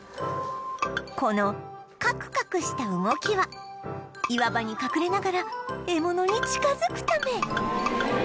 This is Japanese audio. このカクカクした動きは岩場に隠れながら獲物に近づくため